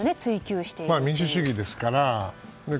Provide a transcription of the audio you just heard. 民主主義ですからね。